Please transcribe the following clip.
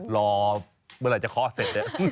รอเมื่อไหร่จะเคาะเสร็จ